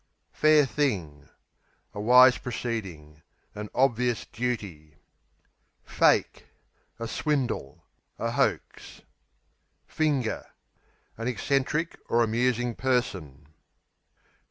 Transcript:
Fair thing A wise proceeding; an obvious duty. Fake A swindle; a hoax. Finger An eccentric or amusing person.